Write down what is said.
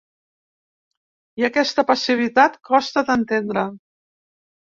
I aquesta passivitat costa d’entendre.